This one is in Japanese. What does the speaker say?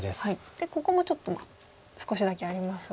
でここもちょっと少しだけありますが。